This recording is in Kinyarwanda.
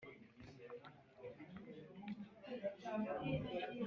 Komite nyobozi ishinzwe kugenzura imari